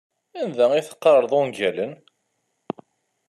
Anda ay teqqareḍ ungalen?